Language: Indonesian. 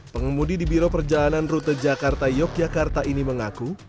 pengemudi di biro perjalanan rute jakarta yogyakarta ini mengaku